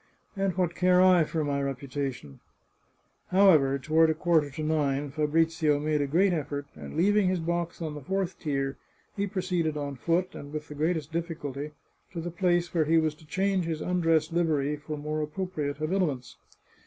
And what care I for my reputation ?" However, toward a quarter to nine Fabrizio made a great effort, and leaving his box on the fourth tier, he proceeded on foot, and with the greatest difficulty, to the place where he was to change his undress livery for more appropriate habiliments.